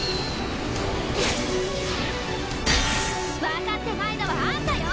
分かってないのはあんたよ！